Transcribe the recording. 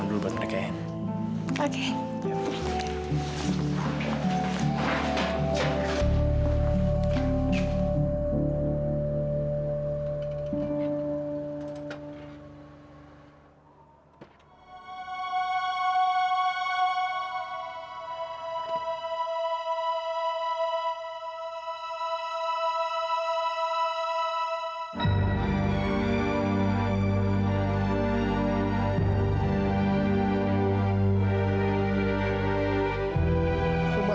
aku boleh ikut kamu ke kontra kami